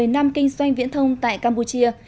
một mươi năm kinh doanh viễn thông tại campuchia